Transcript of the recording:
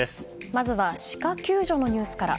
まずはシカ救助のニュースから。